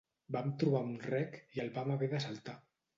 Vam trobar un rec i el vam haver de saltar.